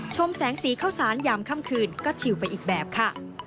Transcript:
ชมแสงสีข้าวสารยามค่ำคืนก็ชิวไปอีกแบบค่ะ